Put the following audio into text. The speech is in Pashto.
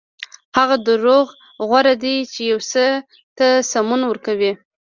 هغه دروغ غوره دي چې یو څه ته سمون ورکوي.